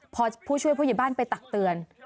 พอผู้ช่วยผู้ใหญ่บ้านไปตักเตือน